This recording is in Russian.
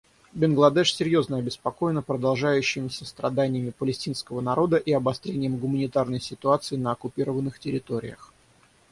Бангладеш серьезно обеспокоена продолжающимися страданиями палестинского народа и обострением гуманитарной ситуации на оккупированных территориях.